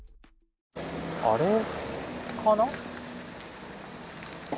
あれかな？